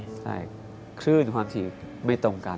บ๊วยบ๊วยใช่คลื่นความที่ไม่ตรงกัน